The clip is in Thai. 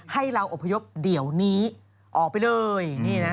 ให้เราอบพยพเดี๋ยวนี้ออกไปเลย